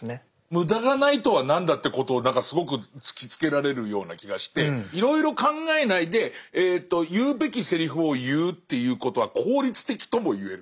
無駄がないとは何だってことをすごく突きつけられるような気がしていろいろ考えないで言うべきセリフを言うっていうことは効率的とも言える。